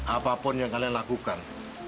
apapun yang kalian lakukan